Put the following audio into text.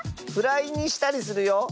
フライにしたりするよ。